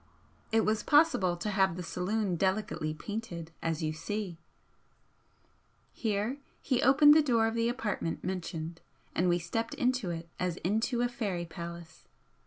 It was possible to have the saloon delicately painted, as you see," here he opened the door of the apartment mentioned, and we stepped into it as into a fairy palace.